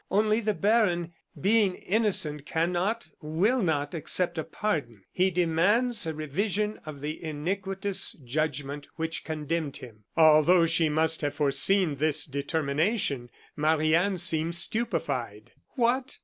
Only the baron, being innocent, cannot, will not, accept a pardon. He demands a revision of the iniquitous judgment which condemned him." Although she must have foreseen this determination, Marie Anne seemed stupefied. "What!"